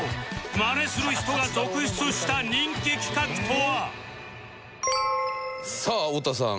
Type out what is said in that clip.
マネする人が続出した人気企画とは？